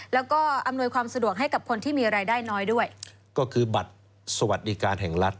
แล้วก็อำนวยความสะดวกให้กับคนที่มีรายได้น้อยด้วยก็คือบัตรสวัสดิการแห่งรัฐ